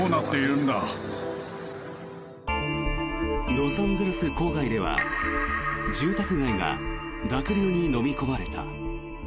ロサンゼルス郊外では住宅街が濁流にのみ込まれた。